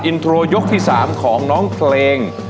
อินโทรยกที่๓ของน้องเพลง